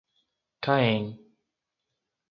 Caém